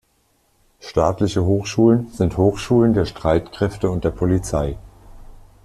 Staatliche Hochschulen sind Hochschulen der Streitkräfte und der Polizei.